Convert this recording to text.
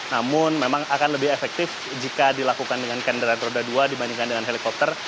namun memang akan lebih efektif jika dilakukan dengan kendaraan roda dua dibandingkan dengan helikopter